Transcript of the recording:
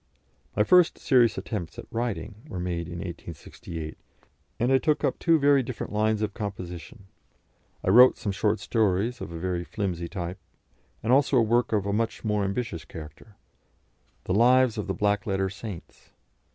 My first serious attempts at writing were made in 1868, and I took up two very different lines of composition; I wrote some short stories of a very flimsy type, and also a work of a much more ambitious character, "The Lives of the Black Letter Saints."